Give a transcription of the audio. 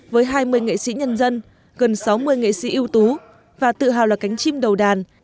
với hai mươi nghệ sĩ nhân dân gần sáu mươi nghệ sĩ ưu tú và tự hào là cánh chim đầu đàn